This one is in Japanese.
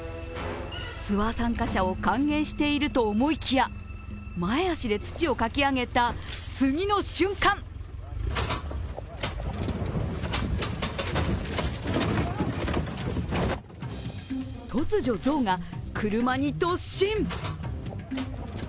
ツアー参加者を歓迎していると思いきや前足で土をかき上げた次の瞬間突如、象が車に突進。